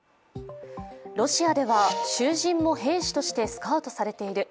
ロシアでは囚人も兵士としてスカウトされている。